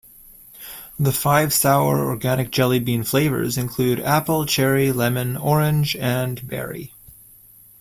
The five sour organic jelly bean flavors include apple, cherry, lemon, orange, and berry.